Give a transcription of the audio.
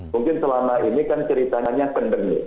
mungkin selama ini kan ceritanya kendeng